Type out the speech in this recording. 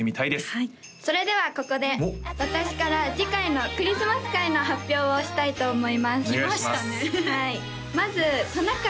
はいそれではここで私から次回のクリスマス回の発表をしたいと思いますお願いします来ましたね